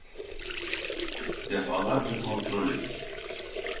Defalarca kontrol ettim